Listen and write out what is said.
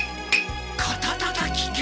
肩たたき券！？